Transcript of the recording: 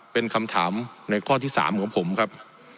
เป็นคำถามในข้อที่๓ของผมครับ